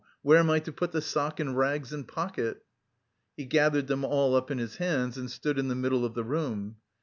Where am I to put the sock and rags and pocket?" He gathered them all up in his hands and stood in the middle of the room.